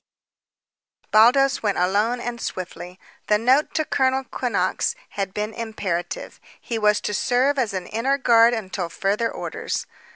B." Baldos went alone and swiftly. The note to Colonel Quinnox had been imperative. He was to serve as an inner guard until further orders.